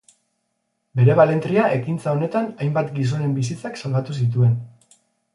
Bere balentria ekintza honetan hainbat gizonen bizitzak salbatu zituen.